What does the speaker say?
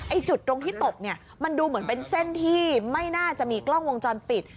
จุดตรงที่ตกเนี่ยมันดูเหมือนเป็นเส้นที่ไม่น่าจะมีกล้องวงจรปิด